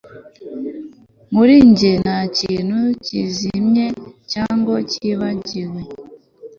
muri njye nta kintu kizimye cyangwa cyibagiwe